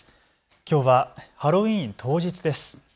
きょうはハロウィーン当日です。